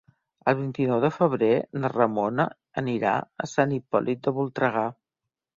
El vint-i-nou de febrer na Ramona anirà a Sant Hipòlit de Voltregà.